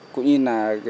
cũng như là